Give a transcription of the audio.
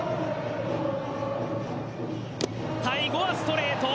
最後はストレート。